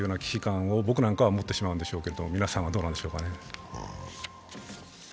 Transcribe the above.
危機感を僕なんかは持ってしまうんですけれども、皆さんはどうでしょうか。